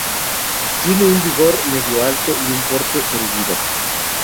Tiene un vigor medio-alto y un porte erguido.